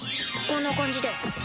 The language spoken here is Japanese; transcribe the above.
こんな感じで。